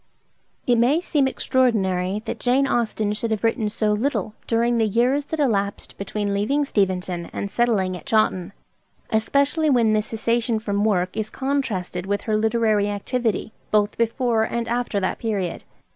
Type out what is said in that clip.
It may seem extraordinary that Jane Austen should have written so little during the years that elapsed between leaving Steventon and settling at Chawton; especially when this cessation from work is contrasted with her literary activity both before and after that period.